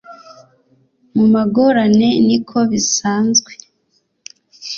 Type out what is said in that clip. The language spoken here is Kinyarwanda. mu magorane niko bisanzwe